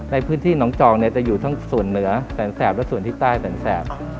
ในพื้นที่หนองจองเนี่ยจะอยู่ทั้งส่วนเหนือแสนแสบและส่วนที่ใต้แสนแสบ